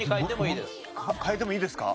変えてもいいですか？